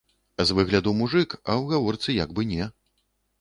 З выгляду мужык, а ў гаворцы як бы не.